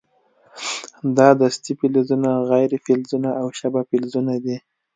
دا دستې فلزونه، غیر فلزونه او شبه فلزونه دي.